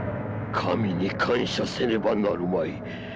神に感謝せねばなるまい。